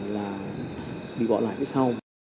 là bị bỏ lại với sau